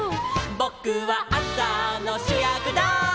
「ぼくはあさのしゅやくだい」